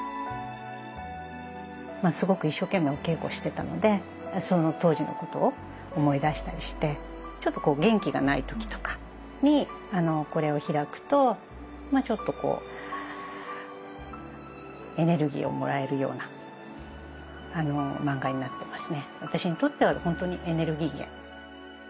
すごく一生懸命お稽古してたのでその当時のことを思い出したりしてちょっと元気がない時とかにこれを開くとちょっとこうエネルギーをもらえるような漫画になってますね。